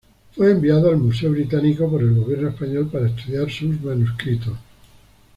Fue enviado al Museo Británico por el gobierno español para estudiar sus manuscritos.